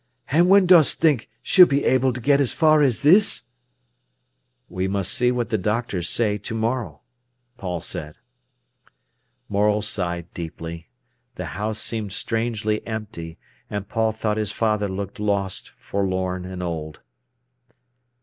An' when dost think she'll be able to get as far as this?" "We must see what the doctors say to morrow," Paul said. Morel sighed deeply. The house seemed strangely empty, and Paul thought his father looked lost, forlorn, and old.